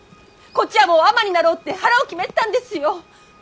こっちはもう尼になろうって腹を決めてたんですよ。